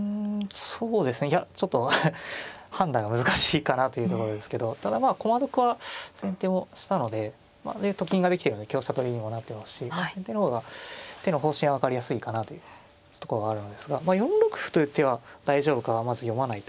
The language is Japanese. そうですねいやちょっと判断が難しいかなというところですけどただまあ駒得は先手もしたのででと金ができてるので香車取りにもなってますし先手の方が手の方針は分かりやすいかなというとこがあるのですが４六歩という手は大丈夫かはまず読まないといけないですね